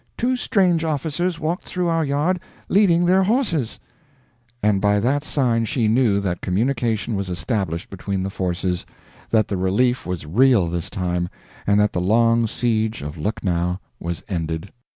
two strange officers walked through our yard, leading their horses" and by that sign she knew that communication was established between the forces, that the relief was real, this time, and that the long siege of Lucknow was ended.